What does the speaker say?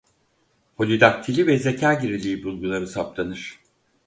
Polidaktili ve zeka geriliği bulguları saptanır.